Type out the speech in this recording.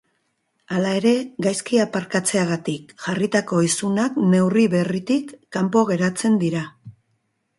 Hala ere, gaizki aparkatzeagatik jarritako isunak neurri berritik kanpo geratzen dira.